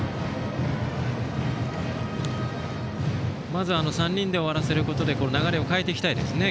まず３人で終わらせることで流れを変えていきたいですね